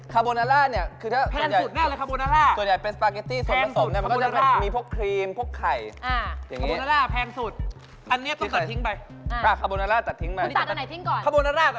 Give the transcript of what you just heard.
คือตอนนี้ชอบคนละทางครับ